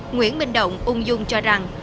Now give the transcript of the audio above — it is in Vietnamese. nguyễn minh động ung dung cho rằng